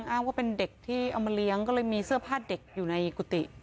อ้างว่าเป็นเด็กที่เอามาเลี้ยงก็เลยมีเสื้อผ้าเด็กอยู่ในกุฏิ